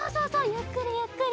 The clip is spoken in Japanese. ゆっくりゆっくり。